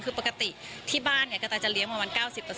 คือปกติที่บ้านกระตาจะเลี้ยงประมาณ๙๐